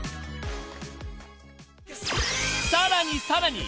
［さらにさらに］